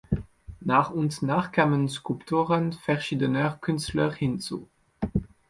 Nach und nach kamen Skulpturen verschiedener Künstler hinzu.